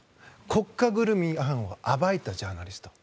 国家ぐるみの違反を暴いたジャーナリスト。